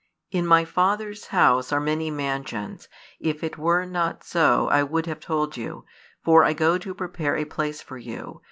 2, 3 In My Father s house are many mansions; if it were not so, I would have told you; for I go to prepare a place for you.